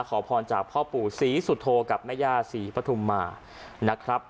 ขอพรจากพ่อปู่ศรีสุโธกับแม่ย่าศรีปฐุมมานะครับ